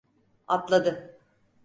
Atladı.